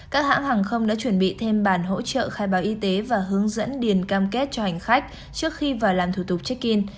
các hãng hàng không đã chuẩn bị thêm bàn hỗ trợ khai báo y tế và hướng dẫn điền cam kết cho hành khách trước khi vào làm thủ tục check in